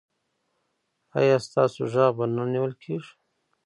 ایا ستاسو غږ به نه نیول کیږي؟